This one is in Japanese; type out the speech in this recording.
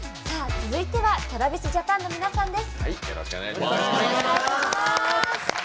続いてはＴｒａｖｉｓＪａｐａｎの皆さんです。